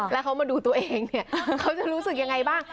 แล้วเขามาดูตัวเองเนี่ยเขาจะรู้สึกยังไงบ้าง